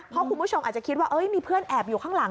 เพราะคุณผู้ชมอาจจะคิดว่ามีเพื่อนแอบอยู่ข้างหลัง